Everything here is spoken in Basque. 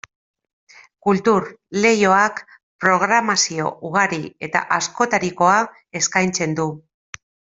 Kultur Leioak programazio ugari eta askotarikoa eskaintzen du.